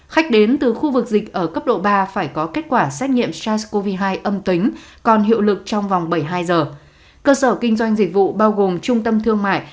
khách đến từ khu vực dịch ở cấp độ ba phải có kết quả xét nghiệm sars cov hai âm tính còn hiệu lực trong vòng bảy mươi hai giờ cơ sở kinh doanh dịch vụ bao gồm trung tâm thương mại